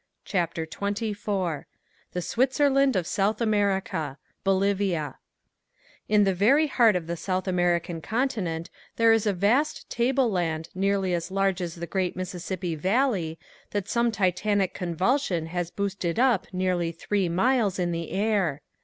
CHAPTER XXIV THE SWITZERLAND OF SOUTH AMERICA BOLIVIA In the very heart of the South American continent there is a vast table land nearly as large as the great Mississippi valley, that some titanic convulsion has boosted up nearly three miles in the air.